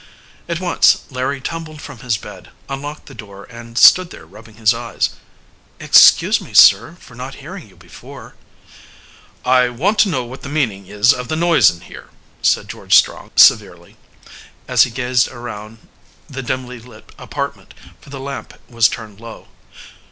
At once Larry tumbled from his bed, unlocked the door and stood there rubbing his eyes. "Excuse me, Sir, for not hearing you before." "I want to know what the meaning is of the noise in here?" said George Strong severely, as he gazed around the dimly lit apartment, for the lamp was turned low.